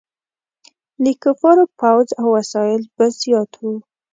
د کفارو فوځ او وسایل به زیات وو.